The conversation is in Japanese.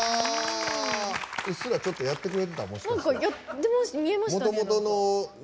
うっすらちょっとやってくれてたね。